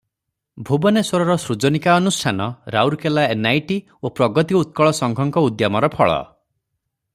ଭୁବନେଶ୍ୱରର ସୃଜନିକା ଅନୁଷ୍ଠାନ, ରାଉରକେଲା ଏନଆଇଟି ଓ ପ୍ରଗତି ଉତ୍କଳ ସଂଘଙ୍କ ଉଦ୍ୟମର ଫଳ ।